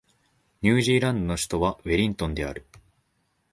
ニュージーランドの首都はウェリントンである